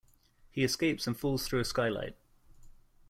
He escapes and falls through a skylight.